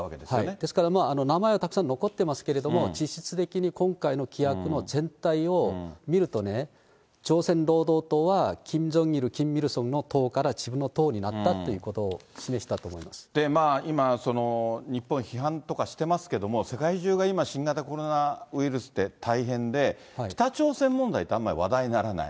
ですから、名前はたくさん残ってますけれども、実質的に今回の規約の全体を見るとね、朝鮮労働党は、キム・ジョンイル、キム・イルソンからの党から自分の党になったということを示した今、日本批判とかしてますけども、世界中が今、新型コロナウイルスで大変で、北朝鮮問題ってあんまり話題にならない。